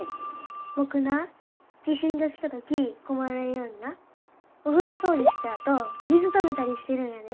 僕な地震が来た時困らんようになお風呂掃除したあと水ためたりしてるんやで。